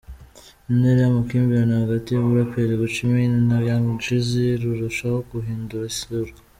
Intera y’amakimbirane hagati y’umuraperi Gucci Mane na Young Jeezy irarushaho guhindura isura.